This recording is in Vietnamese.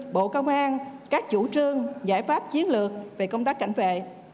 bộ công an các chủ trương giải pháp chiến lược về công tác cảnh vệ